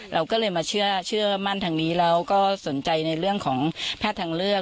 เราก็เลยมาเชื่อมั่นทางนี้แล้วก็สนใจในเรื่องของแพทย์ทางเลือก